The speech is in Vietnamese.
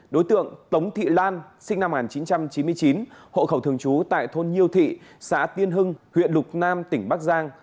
đối tượng tống thị lan sinh năm một nghìn chín trăm chín mươi chín hộ khẩu thường trú tại thôn nhiêu thị xã tiên hưng huyện lục nam tỉnh bắc giang